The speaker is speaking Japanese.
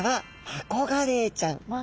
マコガレイちゃん。